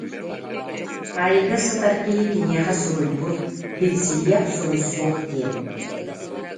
Хаайыыга сытар киһи киниэхэ суруйбут, билсиһиэх, суруйсуох диэн